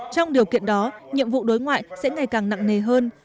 trong điều kiện đó nhiệm vụ đối ngoại sẽ ngày càng nặng nề hơn